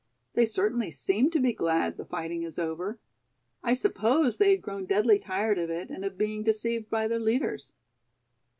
They certainly seem to be glad the fighting is over. I suppose they had grown deadly tired of it and of being deceived by their leaders."